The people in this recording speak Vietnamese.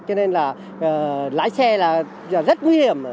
cho nên là lái xe rất nguy hiểm